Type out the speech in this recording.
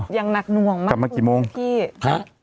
อย่างหนักหน่วงมากกลับมากี่โมงพี่ฮะ